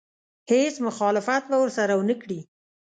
هېڅ مخالفت به ورسره ونه کړي.